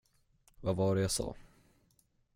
Vad var det jag sa?